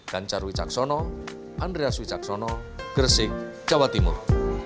gancar wicaksono andreas wicaksono gersik jawa timur